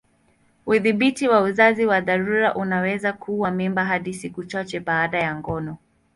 Udhibiti wa uzazi wa dharura unaweza kuua mimba hadi siku chache baada ya ngono.